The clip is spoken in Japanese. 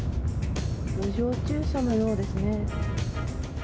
路上駐車のようですね。